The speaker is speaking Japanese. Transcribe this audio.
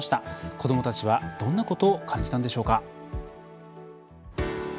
子どもたちは、どんなことを感じたんでしょうか。